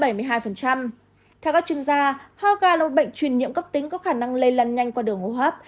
theo các chuyên gia ho gà là bệnh truyền nhiễm cấp tính có khả năng lây lan nhanh qua đường hô hấp